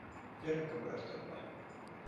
Gyerünk a börtönbe!